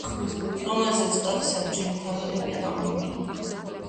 რომელზეც კარის საბჯენი თაღებია დაყრდნობილი.